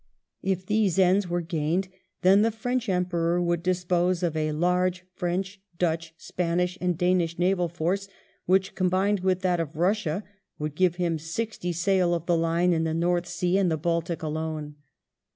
If these ends were gained, then the French Emperor would dispose of a large French, Dutch, Spanish, and Danish naval force, which, combined with that of Bussia, would give him sixty sail of the line in the North Sea and the Baltic alone.